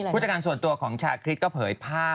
ผู้จัดการส่วนตัวของชาคริตอะไร